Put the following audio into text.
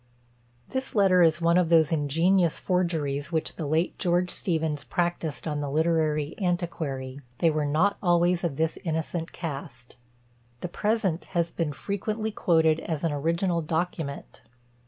This letter is one of those ingenious forgeries which the late George Steevens practised on the literary antiquary; they were not always of this innocent cast. The present has been frequently quoted as an original document.